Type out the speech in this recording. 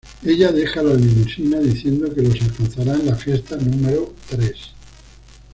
Ella deja la limusina, diciendo que los alcanzará en la fiesta número tres.